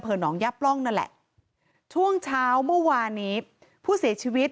หนองย่าปล้องนั่นแหละช่วงเช้าเมื่อวานนี้ผู้เสียชีวิต